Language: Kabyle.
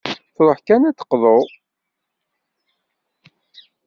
Truḥ kan ad d-teqḍu.